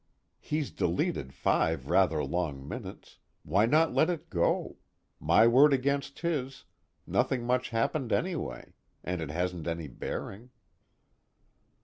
"He's deleted five rather long minutes. Why not let it go? My word against his, nothing much happened anyway, and it hasn't any bearing."